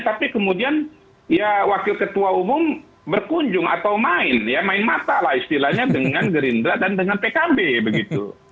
tapi kemudian ya wakil ketua umum berkunjung atau main ya main mata lah istilahnya dengan gerindra dan dengan pkb begitu